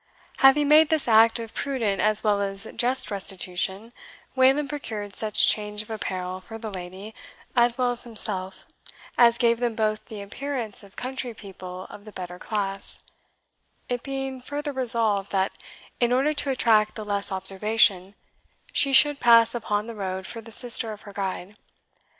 Having made this act of prudent as well as just restitution, Wayland procured such change of apparel for the lady, as well as himself, as gave them both the appearance of country people of the better class; it being further resolved, that in order to attract the less observation, she should pass upon the road for the sister of her guide.